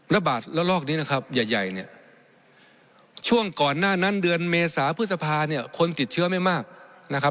ระบาดระลอกนี้นะครับใหญ่เนี่ยช่วงก่อนหน้านั้นเดือนเมษาพฤษภาเนี่ยคนติดเชื้อไม่มากนะครับ